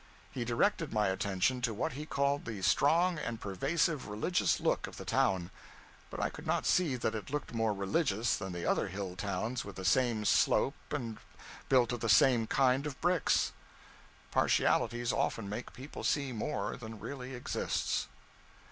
He directed my attention to what he called the 'strong and pervasive religious look of the town,' but I could not see that it looked more religious than the other hill towns with the same slope and built of the same kind of bricks. Partialities often make people see more than really exists.